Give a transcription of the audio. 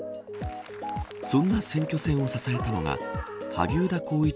そんな選挙戦を支えたのが萩生田光一